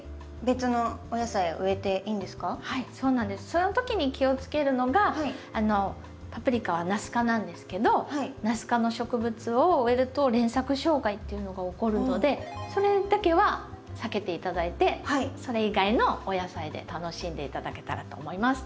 その時に気をつけるのがパプリカはナス科なんですけどナス科の植物を植えると連作障害っていうのが起こるのでそれだけは避けて頂いてそれ以外のお野菜で楽しんで頂けたらと思います。